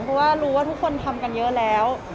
เพราะว่ารู้ว่าทุกคนทำกันเยอะแล้ว